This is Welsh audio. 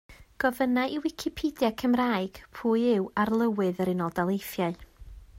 Gofynna i Wicipedia Cymraeg pwy yw Arlywydd Yr Unol Daleithiau?